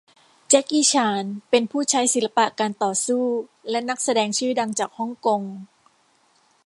แจ็คกี้ชานเป็นผู้ใช้ศิลปะการต่อสู้และนักแสดงชื่อดังจากฮ่องกง